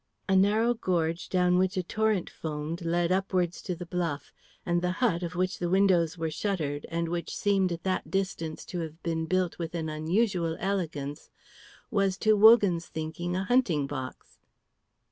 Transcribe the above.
A narrow gorge down which a torrent foamed led upwards to the bluff, and the hut of which the windows were shuttered, and which seemed at that distance to have been built with an unusual elegance, was to Wogan's thinking a hunting box.